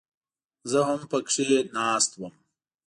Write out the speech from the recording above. زه هم پکښې ناست وم.